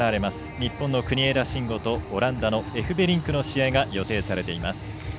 日本に国枝慎吾とオランダのエフベリンクの試合が予定されています。